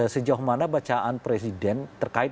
sejauh mana bacaan presiden terkait